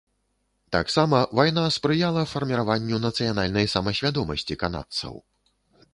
Таксама вайна спрыяла фарміраванню нацыянальнай самасвядомасці канадцаў.